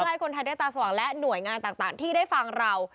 ให้คนไทยได้ตาสว่างและหน่วยงานต่างที่ได้ฟังเรา